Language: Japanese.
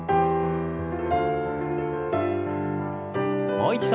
もう一度。